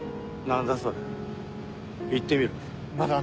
何だそれ言ってみろ。